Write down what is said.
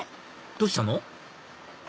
どうしたの？